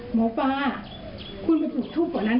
หมอป๊าคุณไปปลูกทุกข์กว่านั้น